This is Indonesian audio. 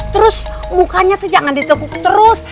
terus mukanya tuh jangan ditepuk terus